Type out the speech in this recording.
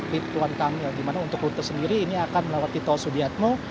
di kulon kangil di mana untuk lutar sendiri ini akan melalui tol sudiatmo